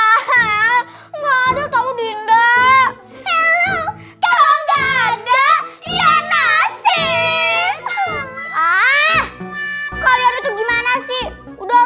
ah ah ah nggak ada tahu dinda kalau nggak ada ya nasi ah kalian itu gimana sih udah